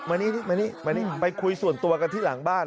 มานี่ไปคุยส่วนตัวกันที่หลังบ้าน